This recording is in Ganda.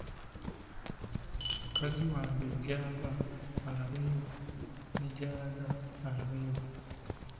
Mukazi wange gy’ava alabayo ne gy’alaga alabayo.